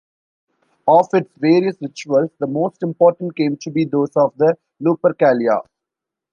Of its various rituals, the most important came to be those of the Lupercalia.